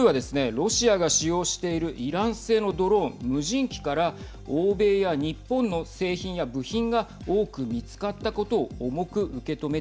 ロシアが使用しているイラン製のドローン、無人機から欧米や日本の製品や部品が多く見つかったことをはい。